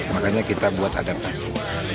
makanya kita buat adaptasi